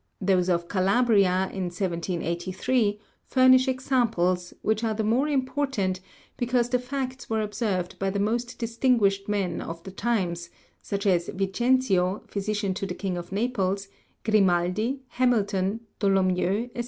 Those of Calabria, in 1783, furnish examples, which are the more important because the facts were observed by the most distinguished men of the times, such as Vicenzio, physician to the king of Naples, Gri maldi, Hamilton, Dolomieu, &c.